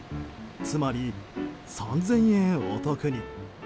つまり３０００円お得に。